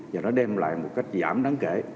và nó đem lại một cách giảm đáng kể